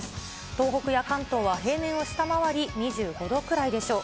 東北や関東は平年を下回り、２５度くらいでしょう。